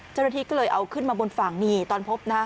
เจ้าหน้าที่ก็เลยเอาขึ้นมาบนฝั่งนี่ตอนพบนะ